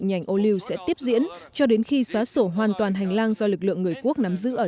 nhành ô liu sẽ tiếp diễn cho đến khi xóa sổ hoàn toàn hành lang do lực lượng người quốc nắm giữ ở